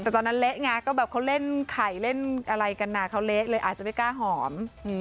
แต่ตอนนั้นเละไงก็แบบเขาเล่นไข่เล่นอะไรกันเขาเละเลยอาจจะไม่กล้าหอม